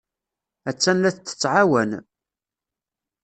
Attan la t-tettɛawan.